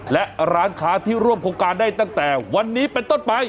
และร้านค้าที่ร่วมโครงการได้ตั้งแต่วันนี้เป็นต้นไป